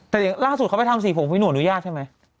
แต่อย่างล่าสุดเขาไปทำสีผมพี่หนูอนุญาตใช่ไหม